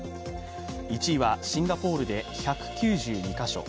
１位はシンガポールで１９２か所。